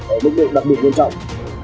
ở mức độ đặc biệt quan trọng